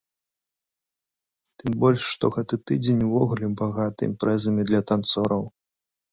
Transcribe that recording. Тым больш што гэты тыдзень увогуле багаты імпрэзамі для танцораў.